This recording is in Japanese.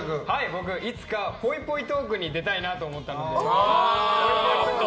僕、いつかぽいぽいトークに出たいなと思ったので。